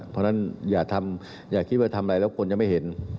เพราะฉะนั้นอย่าคิดว่าทำอะไรแล้วคนจะไม่เห็น